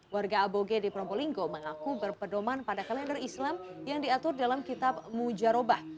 warga aboge di probolinggo mengaku berpedoman pada kalender islam yang diatur dalam kitab mujarobah